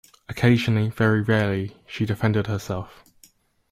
Occasionally, very rarely, she defended herself.